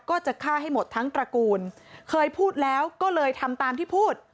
ก็จะฆ่าให้หมดทั้งตระกูลเคยพูดแล้วก็เลยทำตามที่พูด